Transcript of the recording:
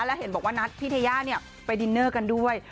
แล้วเห็นบอกว่านัดพี่เทย่าไปดินเนอร์กันด้วย